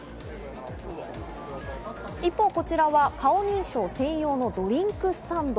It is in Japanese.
一方、こちらは顔認証専用のドリンクスタンド。